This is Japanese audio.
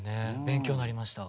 勉強になりました。